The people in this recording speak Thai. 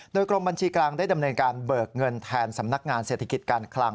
โดยกรมบัญชีกลางได้ดำเนินการเบิกเงินแทนสำนักงานเศรษฐกิจการคลัง